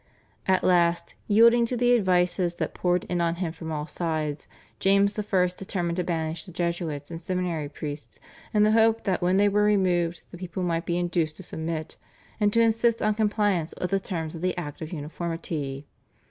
" At last, yielding to the advices that poured in on him from all sides, James I. determined to banish the Jesuits and seminary priests in the hope that when they were removed the people might be induced to submit, and to insist on compliance with the terms of the Act of Uniformity.